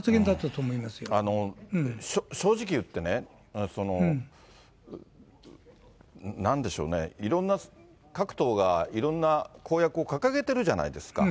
正直言ってね、なんでしょうね、いろんな、各党がいろんな公約を掲げてるじゃないですか。